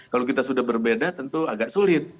kalau kita sudah berbeda tentu agak sulit